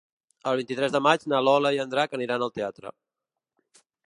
El vint-i-tres de maig na Lola i en Drac aniran al teatre.